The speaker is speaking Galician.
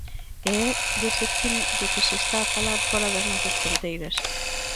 E é dese cine do que se está a falar fóra das nosas fronteiras.